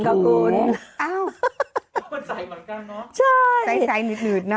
เอ้ามันใสเหมือนกันเนอะ